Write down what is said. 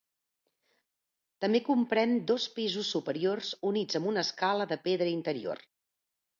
També comprèn dos pisos superiors units amb una escala de pedra interior.